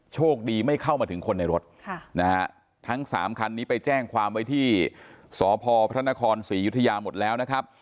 โชคดีไม่เข้ามาถึงคนในรถนะฮะทั้งสามคันนี้ไปแจ้งความไว้ที่สพพระนครศรียุธยาหมดแล้วนะครับ